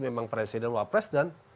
memang presiden wa pres dan